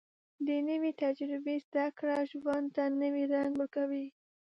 د نوې تجربې زده کړه ژوند ته نوې رنګ ورکوي